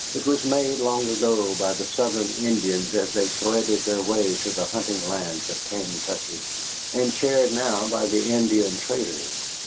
It was made long ago by the Southern Indians as they threaded their way to the Hunting Lands of Kaintuckee, and shared now by Indian traders.